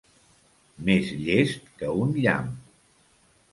Més llest que un llamp.